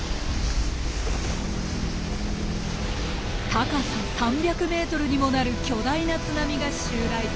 高さ３００ｍにもなる巨大な津波が襲来。